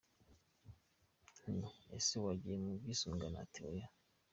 Nti ‘ese wagiye mu bwisungane?’ Ati ‘oya’.